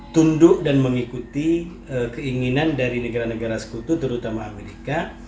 tunduk dan mengikuti keinginan dari negara negara sekutu terutama amerika